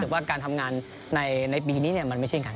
วันนี้มันไม่เจ๋งกาล